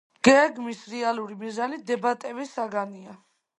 გეგმის რეალური მიზანი დებატების საგანია.